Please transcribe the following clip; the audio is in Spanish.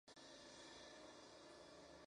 Siendo uno de los más longevos de todo el país.